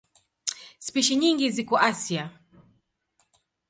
Spishi nyingi ziko Asia.